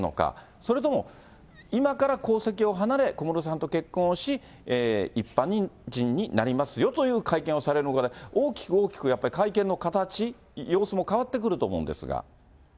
それとも今から皇籍を離れ、小室さんと結婚をし、一般人になりますよという会見をされるのかで、大きく大きくやっぱり会見の形、様子も変わってくると思うんですが。